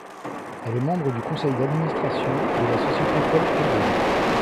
Elle est membre du conseil d'administration de la Société Paul-Claudel.